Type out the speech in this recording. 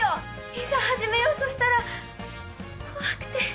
いざ始めようとしたら怖くて。